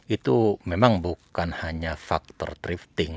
itu memang bukan hanya faktor drifting